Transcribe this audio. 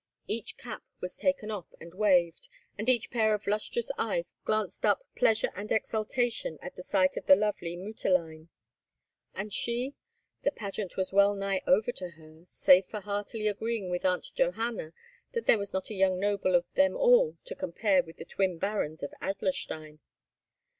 Each cap was taken off and waved, and each pair of lustrous eyes glanced up pleasure and exultation at the sight of the lovely "Mutterlein." And she? The pageant was well nigh over to her, save for heartily agreeing with Aunt Johanna that there was not a young noble of them all to compare with the twin Barons of Adlerstein!